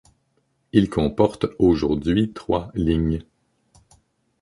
Il comporte aujourd'hui trois lignes.